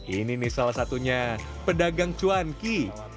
ini nih salah satunya pedagang cuanki